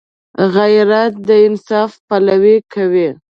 غیرت د انصاف پلوي کوي